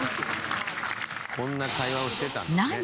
「こんな会話をしてたんですね」